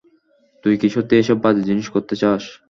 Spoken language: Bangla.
তুই কি সত্যিই এসব বাজে জিনিস করতে চাস?